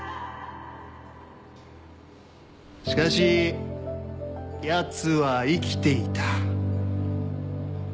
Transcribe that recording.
しかしやつは生きていた。